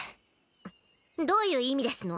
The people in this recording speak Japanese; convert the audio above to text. んっどういう意味ですの？